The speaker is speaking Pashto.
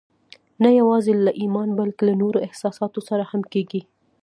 نه يوازې له ايمان بلکې له نورو احساساتو سره هم کېږي.